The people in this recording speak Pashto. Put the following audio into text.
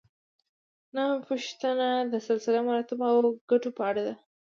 نهمه پوښتنه د سلسله مراتبو او ګټو په اړه ده.